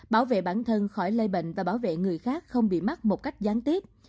bảo vệ bản thân khỏi lây bệnh và bảo vệ người khác không bị mắc một cách gián tiếp